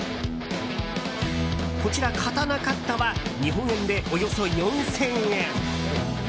こちら、カタナカットは日本円でおよそ４０００円。